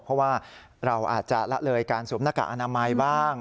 เพราะว่าเราอาจจะละเลยการสวมหน้ากากอนามัยบ้าง